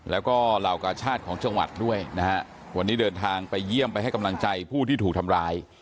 แล้วก็เหล่ากาชาติของจังหวัดด้วยนะฮะวันนี้เดินทางไปเยี่ยมไปให้กำลังใจผู้ที่ถูกทำร้าย